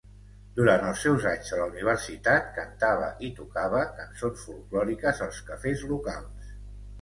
Durant els seus anys a la universitat, cantava i tocava cançons folklòriques als cafès locals.